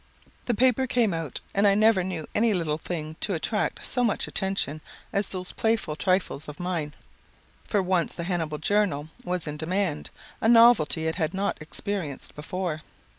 "The paper came out, and I never knew any little thing to attract so much attention as those playful trifles of mine. For once the Hannibal Journal was in demand a novelty it had not experienced before.